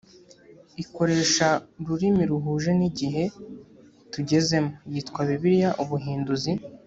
ikoresha ururimi ruhuje n igihe tugezemo yitwa bibiliya ubuhinduzi